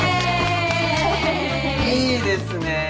いいですね